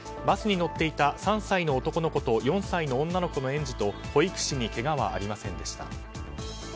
バスに乗っていた３歳の男の子と４歳の女の子の園児と保育士にけがはありませんでした。